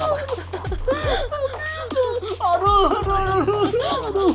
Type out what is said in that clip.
aduh aduh aduh aduh